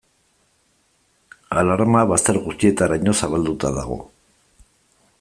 Alarma bazter guztietaraino zabalduta dago.